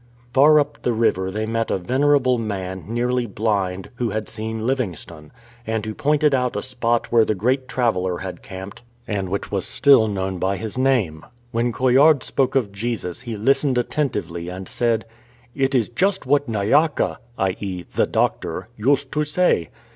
Far up the river they met a venerable man, nearly blind, who had seen Livingstone, and who pointed out a spot where the great traveller had camped and which was still 155 ADVENTURE WITH THE BALUBALE known by his name. When Coillard spoke of Jesus he listened attentively and said, " It is just what Nyaka (i.e. ' The Doctor ') used to say.